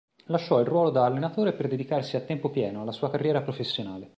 Lasciò il ruolo da allenatore per dedicarsi a tempo pieno alla sua carriera professionale.